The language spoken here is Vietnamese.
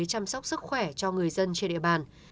chăm sóc sức khỏe cho người dân trên địa bàn